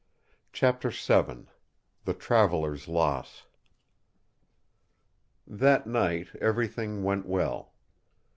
Chapter VII The Traveller's Loss That night everything went well.